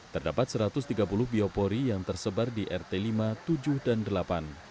terdapat satu ratus tiga puluh biopori yang tersebar di rt lima tujuh dan delapan